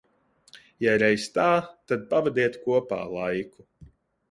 Ja reiz tā, tad pavadiet kopā laiku.